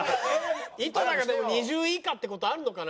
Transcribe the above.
井戸田がでも２０位以下って事あるのかな？